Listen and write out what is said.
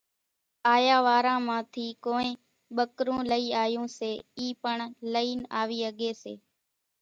آيا واران مان ٿي ڪونئين ٻڪرون لئِي آيون سي اِي پڻ لئين آوي ۿڳي سي،